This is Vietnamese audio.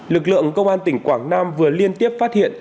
lực lượng công an tỉnh quảng nam vừa liên tiếp phát hiện